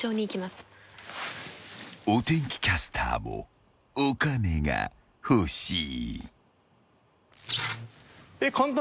［お天気キャスターもお金が欲しい］